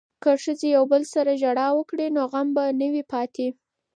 که ښځې یو بل سره ژړا وکړي نو غم به نه وي پاتې.